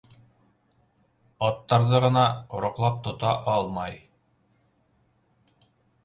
Аттарҙы ғына ҡороҡлап тота алмай.